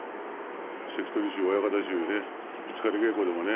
関取衆、親方衆、ぶつかり稽古でもね。